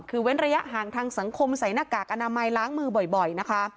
คือเว้นระยะห่างทางสังคมใส่หน้ากากอนามัยล้างมือบ่อยนะคะ